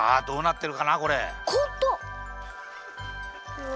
うわ。